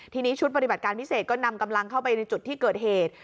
ทีนี้ชุดปฏิบัติการพิเศษก็นำกำลังเข้าไปในจุดที่เกิดเหตุ